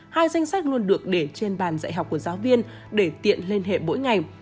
hai danh sách luôn được để trên bàn dạy học của giáo viên để tiện liên hệ mỗi ngày